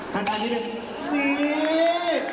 ข้างจาก